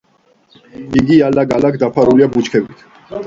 იგი ალაგ-ალაგ დაფარულია ბუჩქებით.